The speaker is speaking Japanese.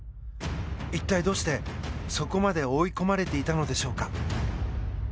一体どうして、そこまで追い込まれていたのでしょうか？